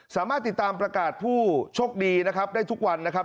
สามารถติดตามประกาศผู้โชคดีนะครับได้ทุกวันนะครับ